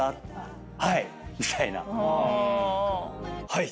「はい！」